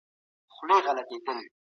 د علم په واسطه د حق رڼا خپره کړئ.